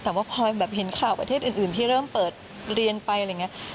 แต่ว่าพลอยแบบเห็นข่าวประเทศอื่นที่เริ่มเปิดเรียนไปอะไรอย่างนี้